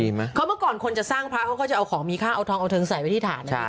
เพราะเมื่อก่อนคนจะสร้างพระเขาก็จะเอาของมีค่าเอาทองเอาเทิงใส่ไว้ที่ฐาน